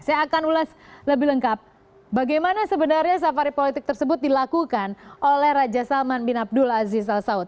saya akan ulas lebih lengkap bagaimana sebenarnya safari politik tersebut dilakukan oleh raja salman bin abdul aziz al saud